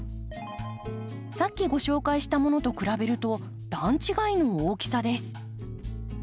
さっきご紹介したものと比べると段違いの大きさです。